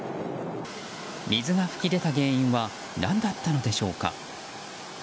水が噴き出た原因は何だったのでしょうか。